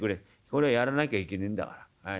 俺はやらなきゃいけねえんだからはい。